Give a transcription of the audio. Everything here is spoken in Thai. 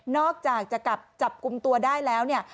อกจากจะกลับจับกลุ่มตัวได้แล้วเนี่ย